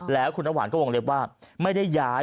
แล้วคุณน้ำหวานก็วงเล็บว่าไม่ได้ย้าย